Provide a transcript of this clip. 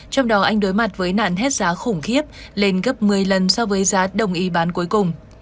trong đó anh đối mặt với nạn hết giá khủng khiếp lên gấp một mươi lần so với giá đồng ý bán cuối cùng